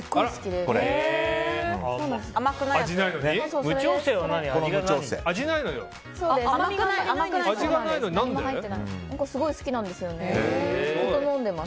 でもすごい好きなんですよね。